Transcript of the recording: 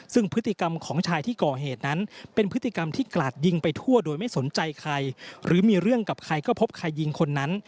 ซึ่งพฤติกรรมของชายที่ก่อเหตุนั้นเป็นพฤติกรรมที่กลาดยิงไปทั่วโดยไม่สนใจใครหรือมีเรื่องกับใครก็พบใครยิงคนนั้น